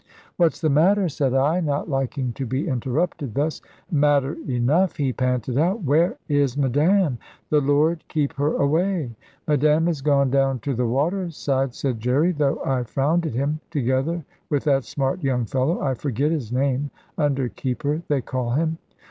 "What's the matter?" said I, not liking to be interrupted thus. "Matter enough," he panted out; "where is Madame? The Lord keep her away." "Madame is gone down to the water side," said Jerry, though I frowned at him, "together with that smart young fellow I forget his name under keeper they call him."